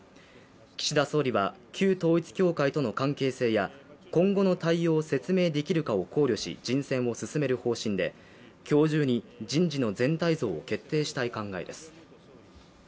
岸田総理は旧統一教会との関係性や今後の対応を説明できるかを考慮し人選を進める方針で今日中に人事の全体像を決定したい考えです。